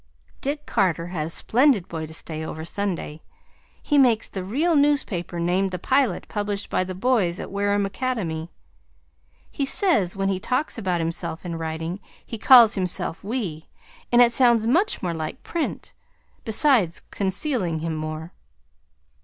Dick Carter had a splendid boy to stay over Sunday. He makes the real newspaper named The Pilot published by the boys at Wareham Academy. He says when he talks about himself in writing he calls himself "we," and it sounds much more like print, besides conscealing him more.